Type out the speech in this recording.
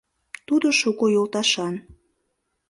Тудо шуко йолташан.